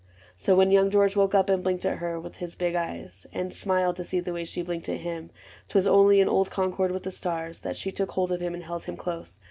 — So, when Young George Woke up and blinked at her with his big eyes, And smiled to see the way she blinked at him, 'T was only in old concord with the stars That she took hold of him and held him close.